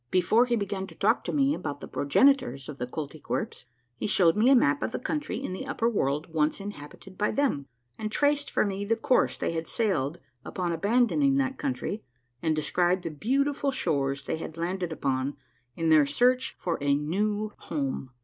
Jiefore he began to talk to me about the progenitors of the Koltykwerps, he showed me a map of the country in the upper world once inhabited by them, and traced for me the course they had sailed upon abandoning that country, and described the beautiful shores they had landed upon in their search for a new A MARVELLOUS UNDERGROUND JOURNEY 161 home.